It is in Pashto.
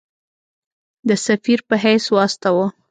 د سفیر په حیث واستاوه.